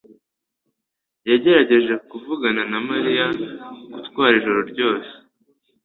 yagerageje kuvugana na Mariya gutwara ijoro ryose